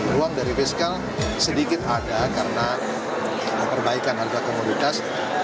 ruang dari fiskal sedikit ada karena perbaikan harga komoditas